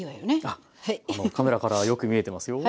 あっカメラからはよく見えてますよ。